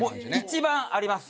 一番あります。